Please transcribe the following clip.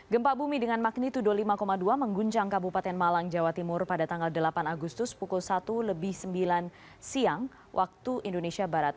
gempa bumi dengan magnitudo lima dua mengguncang kabupaten malang jawa timur pada tanggal delapan agustus pukul satu lebih sembilan siang waktu indonesia barat